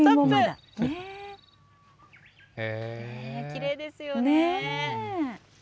きれいですよね。